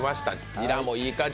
ニラもいい感じ。